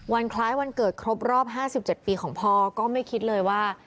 คล้ายวันเกิดครบรอบ๕๗ปีของพ่อก็ไม่คิดเลยว่า